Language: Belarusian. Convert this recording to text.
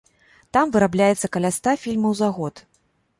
Там вырабляецца каля ста фільмаў за год.